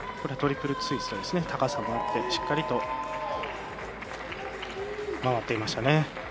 トリプルツイスト、高さもあってしっかりと回っていましたね。